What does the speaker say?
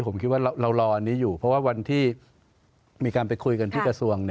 ผมคิดว่าเรารออันนี้อยู่เพราะว่าวันที่มีการไปคุยกันที่กระทรวง